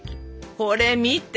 これ見て！